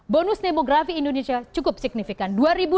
bonus demografi indonesia cukup signifikan